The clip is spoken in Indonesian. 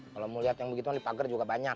kalau mau liat yang begitu dipager juga banyak